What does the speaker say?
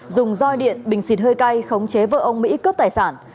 dùng roi điện bình xịt hơi cay khống chế vợ ông mỹ cướp tài sản